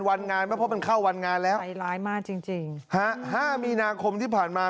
วันงานไม่เพราะมันเข้าวันงานแล้วใจร้ายมากจริงจริงฮะห้ามีนาคมที่ผ่านมา